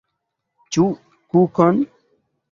Ĉu kukon?